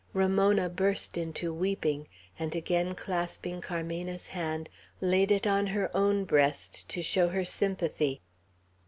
Ramona burst into weeping, and again clasping Carmena's hand, laid it on her own breast, to show her sympathy.